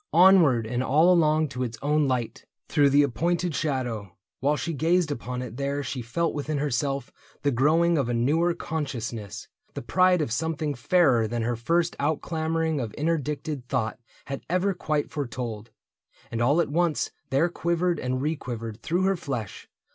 Onward and all along to its own light, Through the appointed shadow. While she gazed Upon it there she felt within herself The growing of a newer consciousness — The pride of something fairer than her first Outclamoring of interdicted thought Had ever quite foretold ; and all at once There quivered and requivered through her flesh.